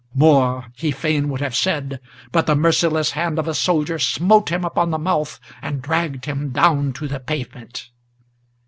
More he fain would have said, but the merciless hand of a soldier Smote him upon the mouth, and dragged him down to the pavement.